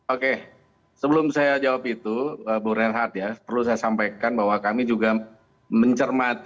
oke sebelum saya jawab itu bung renhard ya perlu saya sampaikan bahwa kami juga mencermati